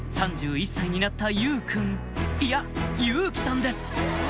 ３１歳になった祐君いや祐紀さんです